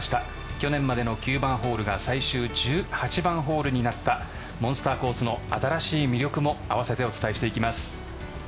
去年までの９番ホールが最終１８番ホールとなったモンスターコースの新しい魅力も併せてお伝えしていきます。